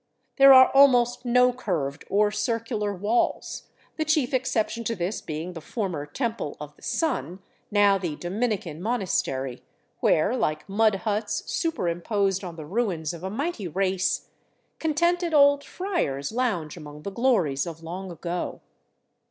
There are almost no curved or circular walls, the chief exception to this being the former Temple of the Sun, now the Dominican monastery, where, like mud huts superimposed on the ruins of a mighty race, contented old friars lounge among the glories of long ago.